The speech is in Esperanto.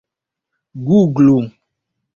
guglu